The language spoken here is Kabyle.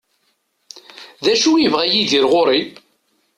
D acu i yebɣa Yidir ɣur-i?